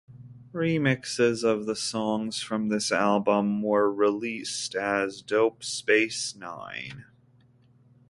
Remixes of the songs from this album were released as "Dope Space Nine".